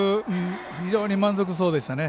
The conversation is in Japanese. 非常に満足そうでしたね。